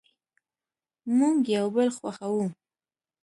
مونږ یو بل خوښوو